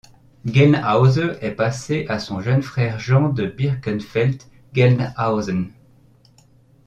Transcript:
Gelnhause est passé à son jeune frère Jean de Birkenfeld-Gelnhausen.